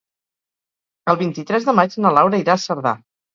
El vint-i-tres de maig na Laura irà a Cerdà.